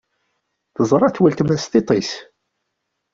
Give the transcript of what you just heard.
Teẓra-t uletma s tiṭ-is.